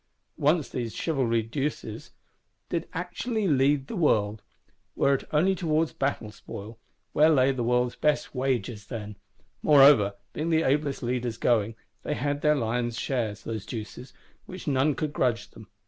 Once these Chivalry Duces (Dukes, as they are still named) did actually lead the world,—were it only towards battle spoil, where lay the world's best wages then: moreover, being the ablest Leaders going, they had their lion's share, those Duces; which none could grudge them.